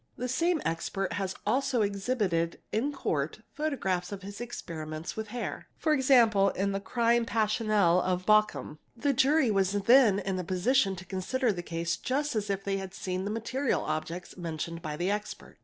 The same expert has also exhibited in Court photographs of his ex } periments with hair (e.g., in the crime passionel of Bochum): the jury yas then in a position to consider the case just as if they had seen the laterial objects mentioned by the expert.